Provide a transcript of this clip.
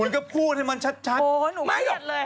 คุณก็พูดให้มันชัดโอ้้หนูเมียดเลย